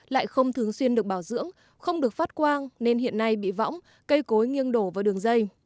lại không thường xuyên được bảo dưỡng không được phát quang nên hiện nay bị võng cây cối nghiêng đổ vào đường dây